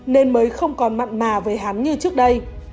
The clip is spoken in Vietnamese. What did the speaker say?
nên mới không còn mặn mà với hán như trước đây